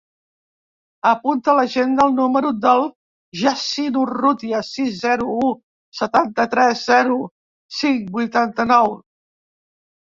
Apunta a l'agenda el número del Yassine Urrutia: sis, zero, u, setanta-tres, zero, cinc, vuitanta-nou.